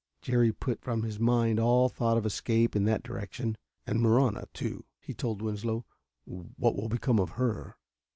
Jerry put from his mind all thought of escape in that direction. "And Marahna, too," he told Winslow. "What will become of her?"